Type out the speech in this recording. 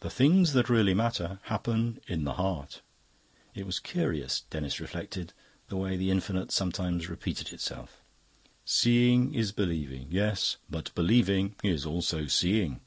"The Things that Really Matter happen in the Heart." It was curious, Denis reflected, the way the Infinite sometimes repeated itself. "Seeing is Believing. Yes, but Believing is also Seeing.